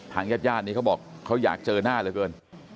ญาติญาตินี้เขาบอกเขาอยากเจอหน้าเหลือเกิน